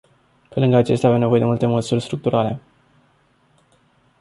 Pe lângă aceasta, avem nevoie de măsuri structurale.